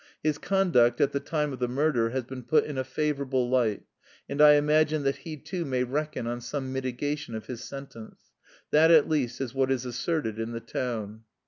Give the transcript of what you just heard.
His conduct at the time of the murder has been put in a favourable light, and I imagine that he too may reckon on some mitigation of his sentence. That at least is what is asserted in the town.